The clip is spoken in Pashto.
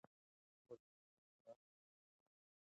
موږ اوس اصلاح عملي کوو.